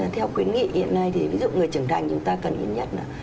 theo khuyến nghị hiện nay thì ví dụ người trưởng thành chúng ta cần yên nhất là